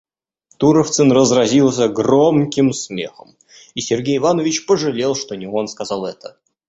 Туровцын разразился громким смехом, и Сергей Иванович пожалел, что не он сказал это.